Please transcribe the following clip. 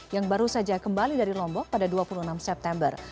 yang baru saja kembali dari lombok pada dua puluh enam september